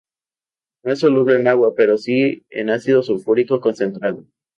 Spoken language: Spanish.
No es soluble en agua, pero sí en ácido sulfúrico concentrado.